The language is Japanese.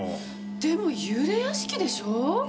でも幽霊屋敷でしょ？